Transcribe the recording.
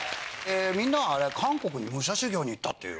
みんなは韓国に武者修行に行ったっていう。